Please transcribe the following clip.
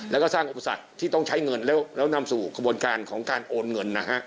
แล้วก็สร้างอุปสรรคที่ต้องใช้เงินแล้วนำสู่กระบวนการของการโอนเงินนะฮะ